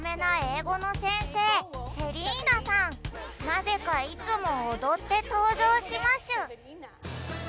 なぜかいつもおどってとうじょうしましゅ